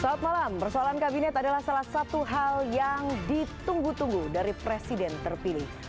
selamat malam persoalan kabinet adalah salah satu hal yang ditunggu tunggu dari presiden terpilih